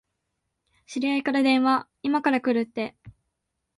知り合いから電話、いまから来るって。